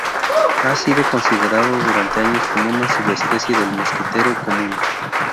Ha sido considerado durante años como una subespecie del mosquitero común.